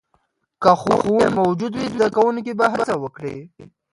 که ښه ښوونکې موجود وي، زده کوونکي به هڅه وکړي.